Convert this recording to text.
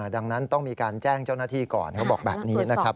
ดังนั้นต้องมีการแจ้งเจ้าหน้าที่ก่อนเขาบอกแบบนี้นะครับ